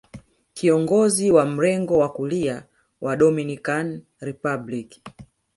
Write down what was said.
Kiongozi wa mrengo wa kulia wa Dominican Republic